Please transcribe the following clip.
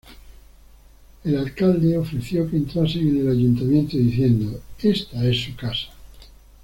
El alcalde ofreció que entrasen en el ayuntamiento diciendo: "Esta es su casa.